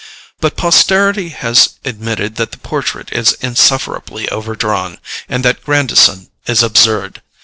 But posterity has admitted that the portrait is insufferably overdrawn, and that Grandison is absurd.